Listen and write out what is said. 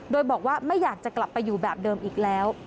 โดยบอกว่าไม่อยากจะกลับไปอยู่แบบเดิมอีกแล้ว